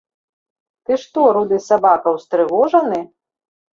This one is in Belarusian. Ты што, руды сабака, устрывожаны?